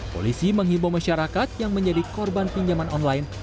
polisi menghibur masyarakat yang menjadi korban pinjaman online